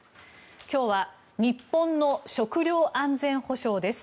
今日は日本の食料安全保障です。